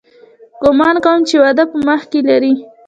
ګومان کوم چې واده په مخ کښې لري.